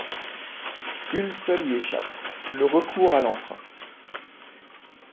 Une seule y échappe : le recours à l’emprunt.